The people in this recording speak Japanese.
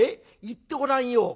言ってごらんよ。